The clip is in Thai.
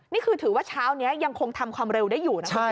นี่คือถือว่าเช้านี้ยังคงทำความเร็วได้อยู่นะ